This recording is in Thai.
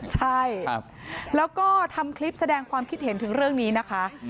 ใช่แล้วก็ทำคลิปแสดงความคิดเห็นถึงเรื่องนี้นะคะ